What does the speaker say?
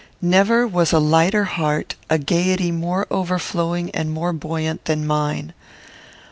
Never was a lighter heart, a gayety more overflowing and more buoyant, than mine.